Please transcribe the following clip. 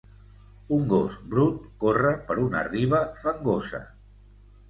Un gos brut corre per una riba fangosa.